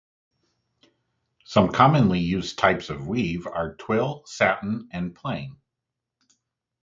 Some commonly used types of weave are twill, satin and plain.